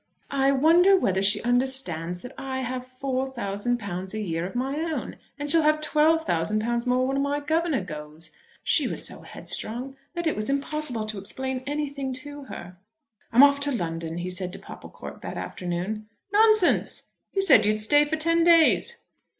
"I wonder whether she understands that I have four thousand pounds a year of my own, and shall have twelve thousand pounds more when my governor goes! She was so headstrong that it was impossible to explain anything to her." "I'm off to London," he said to Popplecourt that afternoon. "Nonsense! you said you'd stay for ten days."